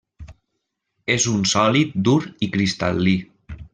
És un sòlid dur i cristal·lí.